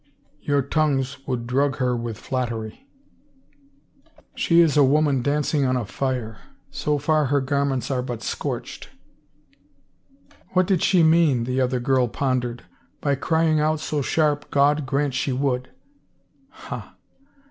Your tongues would drug her with flattery. She is a 308 RUMORS woman dancing on a fire. So far her garments are but scorched —"" What did she mean," the. other girl pondered, by crying out so sharp, ' God grant she would '?"" Ha